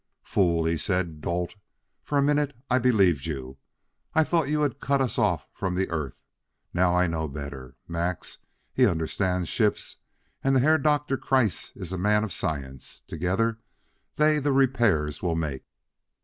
"Fool!" he said. "Dolt! For a minute I believed you; I thought you had cut us off from the Earth. Now I know better. Max, he understands ships; and the Herr Doktor Kreiss iss a man of science: together they the repairs will make."